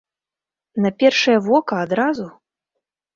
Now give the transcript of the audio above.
На першае вока, адразу?